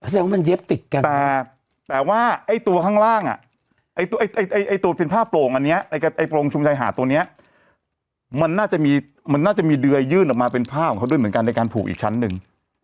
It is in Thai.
แสดงว่ามันเย็บติดกันแต่แต่ว่าไอ้ตัวข้างล่างอ่ะไอ้ตัวเป็นผ้าโปร่งอันนี้ไอ้โปรงชุมชายหาดตัวเนี้ยมันน่าจะมีมันน่าจะมีเดือยยื่นออกมาเป็นผ้าของเขาด้วยเหมือนกันในการผูกอีกชั้นหนึ่ง